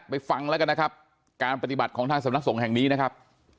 ฟังแล้วกันนะครับการปฏิบัติของทางสำนักสงฆ์แห่งนี้นะครับ